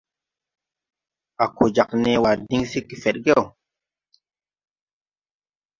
A ko jāg nee waa diŋ se gefedgew.